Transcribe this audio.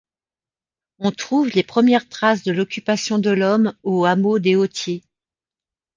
On trouve les premières traces de l'occupation de l'homme au hameau des Hautiers.